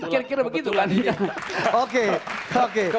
kira kira begitu oke